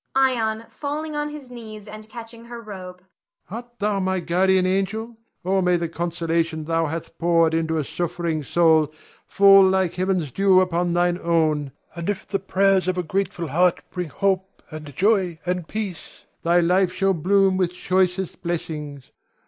Ion [falling on his knees and catching her robe]. Art thou my guardian angel? Oh, may the consolation thou hath poured into a suffering soul, fall like heaven's dew upon thine own; and if the prayers of a grateful heart bring hope and joy and peace, thy life shall bloom with choicest blessings.